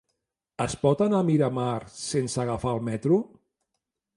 Es pot anar a Miramar sense agafar el metro?